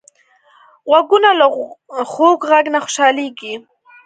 غوږونه له خوږ غږ نه خوشحالېږي